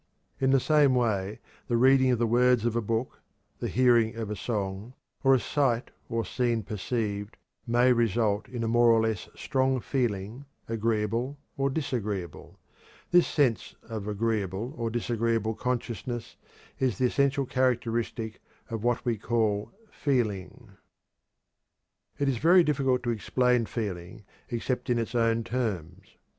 In the same way the reading of the words of a book, the hearing of a song, or a sight or scene perceived, may result in a more or less strong feeling, agreeable or disagreeable. This sense of agreeable or disagreeable consciousness is the essential characteristic of what we call "feeling." It is very difficult to explain feeling except in its own terms.